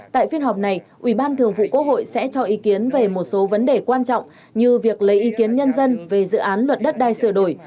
tại phiên họp này ủy ban thường vụ quốc hội sẽ cho ý kiến về một số vấn đề quan trọng như việc lấy ý kiến nhân dân về dự án luật đất đai sửa đổi